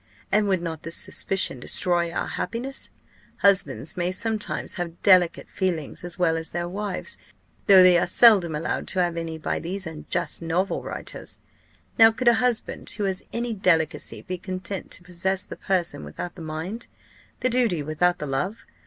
And would not this suspicion destroy our happiness? Husbands may sometimes have delicate feelings as well as their wives, though they are seldom allowed to have any by these unjust novel writers. Now, could a husband who has any delicacy be content to possess the person without the mind? the duty without the love?